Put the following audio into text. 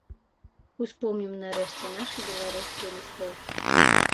Успомнім, нарэшце, нашы беларускія лістоўкі.